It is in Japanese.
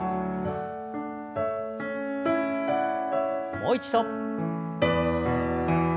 もう一度。